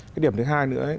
cái điểm thứ hai nữa